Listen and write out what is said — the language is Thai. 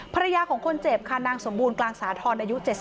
ภรรยาของคนเจ็บค่ะนางสมบูรณกลางสาธรณ์อายุ๗๒